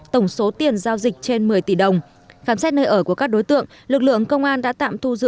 tổng số tiền giao dịch trên một mươi tỷ đồng khám xét nơi ở của các đối tượng lực lượng công an đã tạm thu giữ